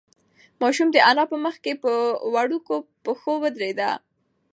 ماشوم د انا په مخ کې په وړوکو پښو ودرېد.